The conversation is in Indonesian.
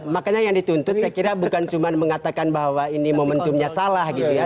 makanya yang dituntut saya kira bukan cuma mengatakan bahwa ini momentumnya salah gitu ya